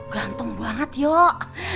ganteng banget yuk